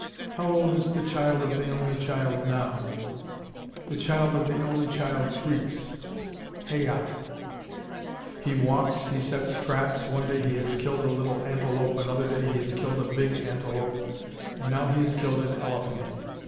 "How old is the child of the only child now?" "The child of the only child creeps." "Hay a a!" He walks, he sets traps, one day he has killed a little antelope, another day he has killed a big antelope, and now he has killed an elephant!